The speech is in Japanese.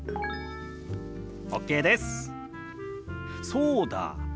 そうだ。